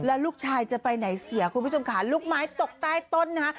แล้วลูกชายจะไปไหนเสียคุณผู้ชมค่ะลูกไม้ตกใต้ต้นนะฮะ